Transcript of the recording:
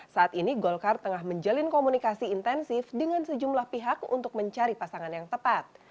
saat ini golkar tengah menjalin komunikasi intensif dengan sejumlah pihak untuk mencari pasangan yang tepat